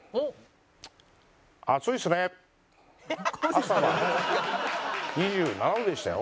朝は２７度でしたよ。